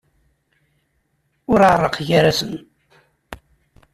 Ur ɛerrqeɣ gar-asen.